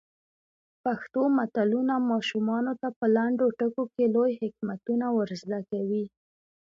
پښتو متلونه ماشومانو ته په لنډو ټکو کې لوی حکمتونه ور زده کوي.